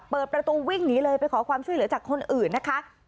เปิดประตูวิ่งหนีเลยไปขอความช่วยเหลือจากคนอื่นนะคะ